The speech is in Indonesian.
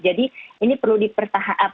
jadi ini perlu dipertahankan